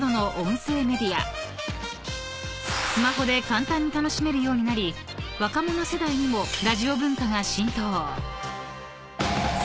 ［スマホで簡単に楽しめるようになり若者世代にもラジオ文化が浸透］